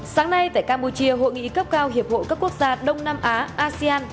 sáng nay tại campuchia hội nghị cấp cao hiệp hội các quốc gia đông nam á asean